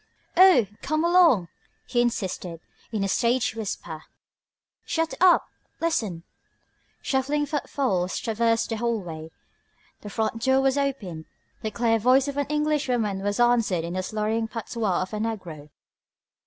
"Oh, come along!" he insisted, in a stage whisper. "Shut up! Listen...." Shuffling footfalls traversed the hallway. The front door was opened. The clear voice of an Englishwoman was answered in the slurring patois of a negro.